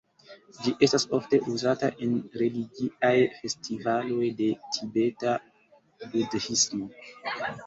Ĝi estas ofte uzata en religiaj festivaloj de Tibeta budhismo.